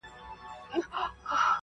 چي په لاره کي څو ځلي سوله ورکه!